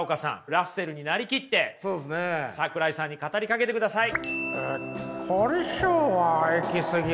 ラッセルに成りきって桜井さんに語りかけてください。